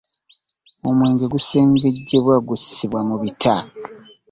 Omwenge gusengejjebwa gussibwa mu bita.